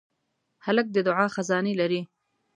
هلک د دعا خزانې لري.